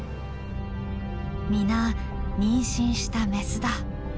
皆妊娠したメスだ。